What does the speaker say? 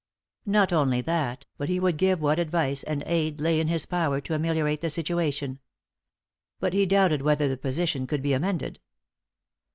Not only that, but he would give what advice and aid lay in his power to ameliorate the situation. But he doubted whether the position could be amended.